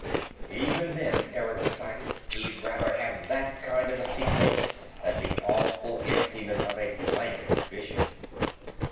Even then, Eric decided, he'd rather have that kind of a sequence than the awful emptiness of a blank vision.